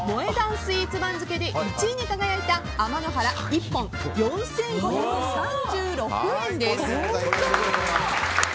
スイーツ番付で１位に輝いた、あまのはら１本４５３６円です。